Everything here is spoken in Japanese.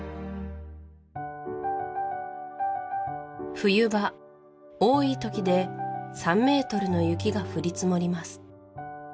冬場多い時で３メートルの雪が降り積もります